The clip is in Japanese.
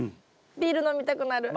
ビール飲みたくなる。